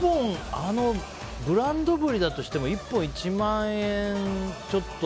ブランドブリだとしても１本１万円ちょっと。